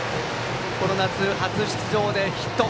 この夏、初出場でヒット。